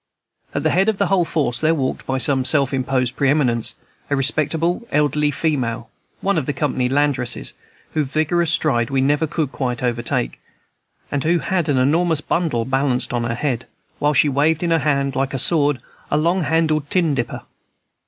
At the head of the whole force there walked, by some self imposed pre eminence, a respectable elderly female, one of the company laundresses, whose vigorous stride we never could quite overtake, and who had an enormous bundle balanced on her head, while she waved in her hand, like a sword, a long handled tin dipper.